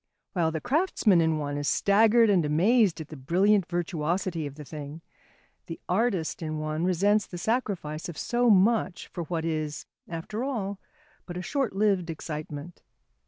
While the craftsman in one is staggered and amazed at the brilliant virtuosity of the thing, the artist in one resents the sacrifice of so much for what is, after all, but a short lived excitement.